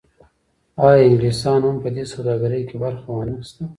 آیا انګلیسانو هم په دې سوداګرۍ کې برخه ونه اخیسته؟